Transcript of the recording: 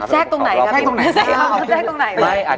แช่งตรงไหนครับ